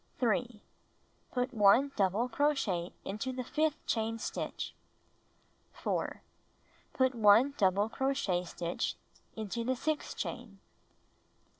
3. Put 1 double cro chet into the fifth chain stitch. 4. Put 1 double cro chet stitch into the sixth chain.